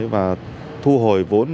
và thu hồi vốn